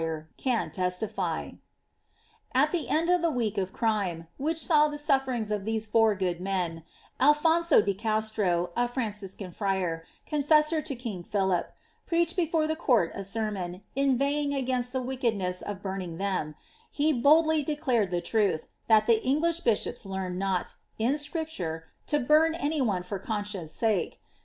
can testify." At the end of the week of crime,' which saw the itiflerings of ihne fciur good men, Alphonso di Castro, a Franciacaa friar, confessor tu king Philip, preached before the court a sermon, inveighing against ihe wick edness of burning them ; he boldly declared the truth, that the English bishops learned not, in Scripture, lo burn any one for conscience «ska.